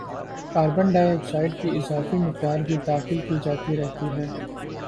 carbon dioxide کی اضافی مقدار بھی داخل کی جاتی رہتی ہے